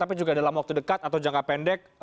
tapi juga dalam waktu dekat atau jangka pendek